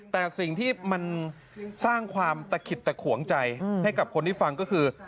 แต่สิ่งที่มันสร้างความตะขิดตะขวงใจให้กับคนที่ฟังก็คือ